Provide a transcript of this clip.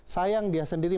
sayang dia sendiri